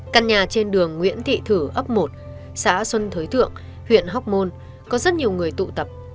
căn nhà trên đường nguyễn thị thử ấp một xã xuân thới thượng huyện hóc môn có rất nhiều người tụ tập